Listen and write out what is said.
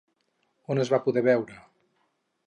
On es va poder veure?